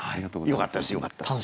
よかったですよかったです。